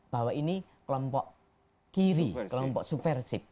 bahwa ini kelompok kiri kelompok subversif